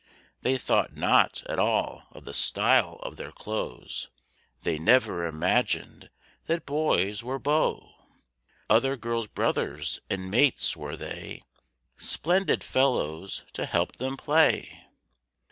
They thought not at all of the "style" of their clothes, They never imagined that boys were "beaux" "Other girls' brothers" and "mates" were they, Splendid fellows to help them play.